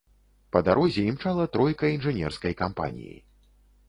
Па дарозе імчала тройка інжынерскай кампаніі.